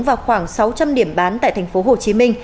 và khoảng sáu trăm linh điểm bán tại tp hcm